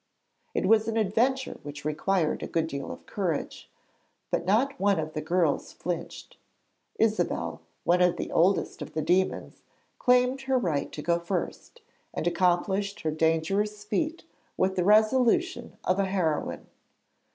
It was an adventure which required a good deal of courage, but not one of the girls flinched. Isabelle, one of the oldest of the demons, claimed her right to go first, and accomplished her dangerous feat with the resolution of a heroine.